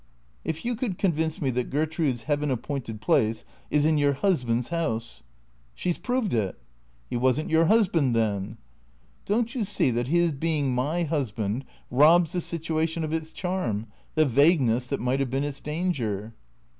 " If you could convince me that Gertrude's heaven appointed place is in your husband's house "" She 's proved it." " He was n't your husband then." " Don't you see that his being my husband robs the situation of its charm, the vagueness that might have been its danger